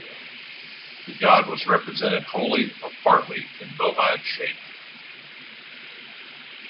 The god was represented wholly or partly in bovine shape.